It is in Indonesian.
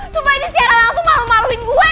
sumpah ini secara langsung malu maluin gue